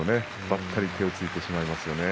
ばったり手をついてしまいますね。